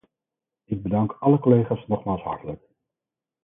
Ik bedank alle collega's nogmaals hartelijk.